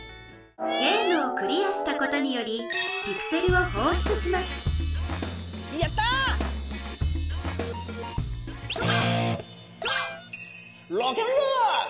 ゲームをクリアしたことによりピクセルを放出しますやった！ロケンロール！